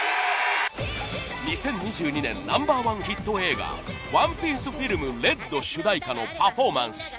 ２０２２年Ｎｏ．１ヒット映画『ＯＮＥＰＩＥＣＥＦＩＬＭＲＥＤ』主題歌のパフォーマンス。